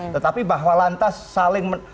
tetapi bahwa lantas saling